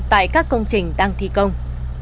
tại các công trình đang thi công